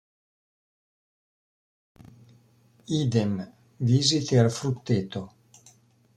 Idem, "Visite al frutteto.